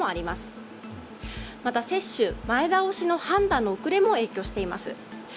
また、接種前倒しの判断の遅れも影響しています。